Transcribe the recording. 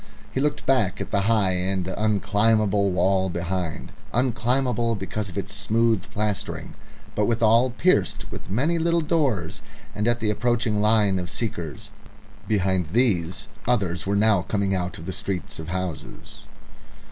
He looked back at the high and unclimbable wall behind unclimbable because of its smooth plastering, but withal pierced with many little doors, and at the approaching line of seekers. Behind these others were now coming out of the street of houses.